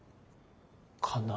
かな？